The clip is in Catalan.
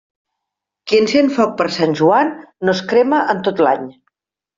Qui encén foc per Sant Joan, no es crema en tot l'any.